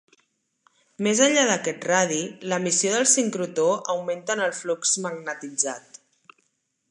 Més enllà d'aquest radi, l'emissió del sincrotró augmenta en el flux magnetitzat.